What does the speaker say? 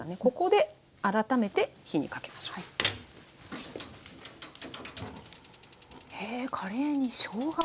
ここで改めて火にかけましょう。